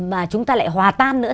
mà chúng ta lại hòa tan nữa